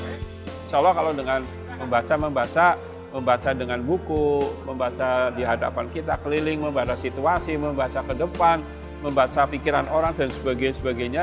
insya allah kalau dengan membaca membaca membaca dengan buku membaca di hadapan kita keliling membaca situasi membaca ke depan membaca pikiran orang dan sebagainya